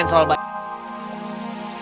jangan lupa like subscribe share dan share